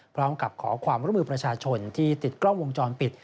พร้อมกับขอความร่วมมือประชาชนที่ติดกล้องวงจรปิด